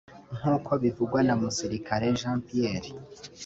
nk’uko bivugwa na Musirikare Jean Pierre